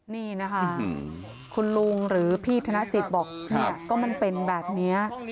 นี่นะคะคุณลุงหรือพี่ธนสิทธิ์บอกเนี่ยก็มันเป็นแบบนี้